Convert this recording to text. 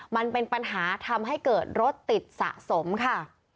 มันเป็นปัญหาทำให้เกิดรถติดสะสมค่ะ